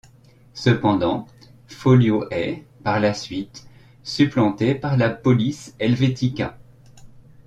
Cependant, Folio est, par la suite, supplantée par la police Helvetica.